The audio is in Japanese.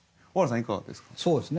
いかがですか？